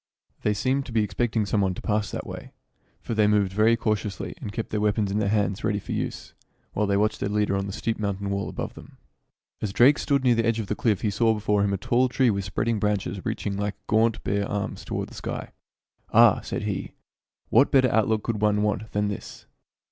They seemed to be expecting some one to pass that way ; for they moved very cautiously and kept their weapons in their hands ready for use, while they watched their leader on the steep moun tain wall above them. As Drake stood near the edge of the cliff he saw before him a tall tree with spreading branches reaching like gaunt, bare arms toward the sky. " Ah !" said he, " what better outlook could one want than this